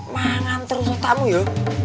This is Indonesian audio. mangan terus ditamu ya